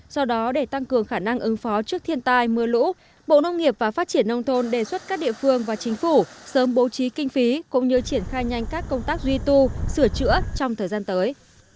do đó để tăng cường khả năng ứng phó trước thiên tai mưa lũ bộ nông nghiệp và phát triển nông thôn đề xuất các địa phương và chính phủ sớm bố trí kinh phí cũng như triển khai nhanh các công tác duy tu sửa chữa trong thời gian tới